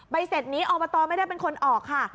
เสร็จนี้อบตไม่ได้เป็นคนออกค่ะ